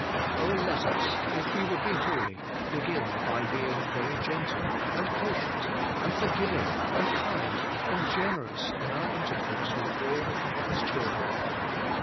Oh, let us, 224 HOLY IN CHRIST. if we would be holy, begin by being very gentle;, and patient, and forgiving, and kind, and generous in our intercourse with all the Father's children.